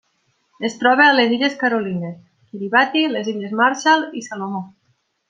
Es troba a les Illes Carolines, Kiribati, les Illes Marshall i Salomó.